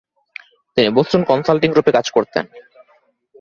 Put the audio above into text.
তিনি Boston Consulting গ্রুপে কাজ করতেন।